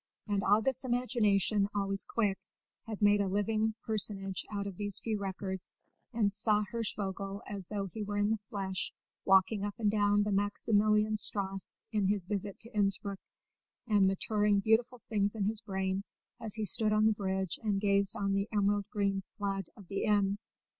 And August's imagination, always quick, had made a living personage out of these few records, and saw Hirschvogel as though he were in the flesh walking up and down the Maximilian Strass in his visit to Innspruck, and maturing beautiful things in his brain as he stood on the bridge and gazed on the emerald green flood of the Inn.